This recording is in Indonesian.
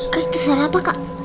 kak itu salah apa kak